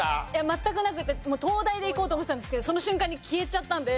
全くなくて灯台でいこうと思ってたんですけどその瞬間に消えちゃったんで。